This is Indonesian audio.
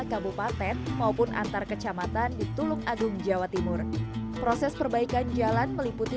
kabupaten maupun antar kecamatan di tulung agung jawa timur proses perbaikan jalan meliputi